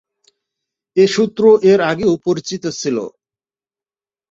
এ সূত্র এর আগেও পরিচিত ছিল।